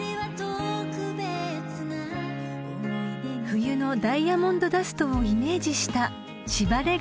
［冬のダイヤモンドダストをイメージした］